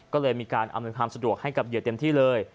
ก็เลยมีการอำนวยความสะดวกให้กับเหยื่อเต็มที่เลย